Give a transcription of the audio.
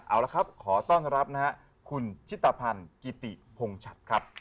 เอาละครับขอต้อนรับนะฮะคุณชิตภัณฑ์กิติพงชัดครับ